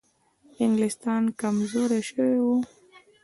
انګلیسان کمزوري شوي وو.